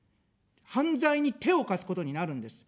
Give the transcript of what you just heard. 犯罪に手を貸すことになるんです。